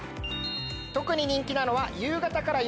特に人気なのは。